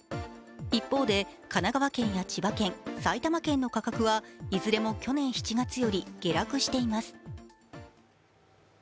一方で神奈川県や千葉県、埼玉県の価格はいずれも去年７月より下落しています。